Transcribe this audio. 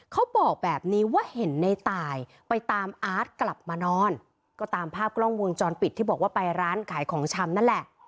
เขาบอกแบบนี้ว่าเห็นในตายไปตามอาร์ตกลับมานอนก็ตามภาพกล้องวงจรปิดที่บอกว่าไปร้านขายของชำนั่นแหละ